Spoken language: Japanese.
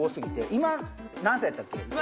今何歳やったっけ？